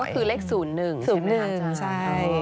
ก็คือเลข๐๑ใช่ไหมฮะอาจารย์